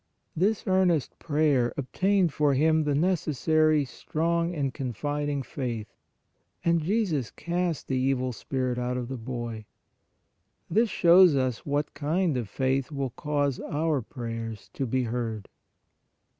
This earnest prayer ob tained for him the necessary strong and confiding faith, and Jesus cast the evil spirit out of the boy. This shows us what kind of faith will cause our prayers to be heard.